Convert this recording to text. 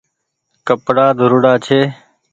ڪپڙآ ڌوڙاڙا ڇي